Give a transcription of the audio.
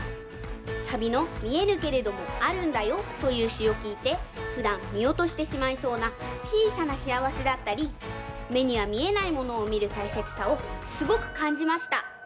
サビの「見えぬけれどもあるんだよ」というしをきいてふだんみおとしてしまいそうなちいさなしあわせだったりめにはみえないものをみるたいせつさをすごくかんじました。